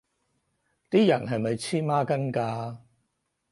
啲人係咪黐孖筋㗎